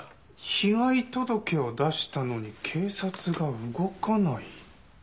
被害届を出したのに警察が動かない？